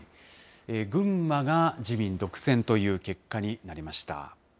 群馬が自民独占という結果になりました。